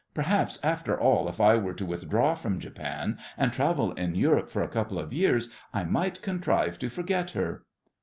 Perhaps, after all, if I were to withdraw from Japan, and travel in Europe for a couple of years, I might contrive to forget her.